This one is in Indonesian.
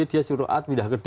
dia suruh a pindah ke d